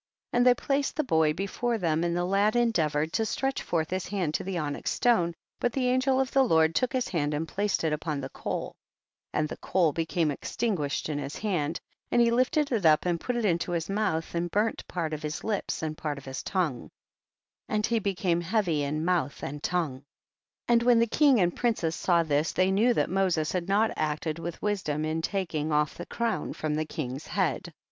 29. And they placed the boy be fore them, and the lad endeavored to stretch forth his hand to the onyx stone, but the angel of the Lord took his hand and placed it upon the coal, and the coal ijecamc extinguished in his hand, and he lifted it up and put it into his mouth, and burned part of his lips and part of his tongue, and he became heavy in mouth and tongue. 30. And when the king and princes saw this, they knew that Moses had not acted with wisdom in taking off" the crown from the king's head.